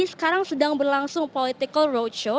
sekarang sedang berlangsung political roadshow